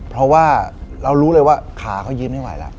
เพราะว่าเรารู้เลยว่าขาเขายืนไม่ไหวแล้ว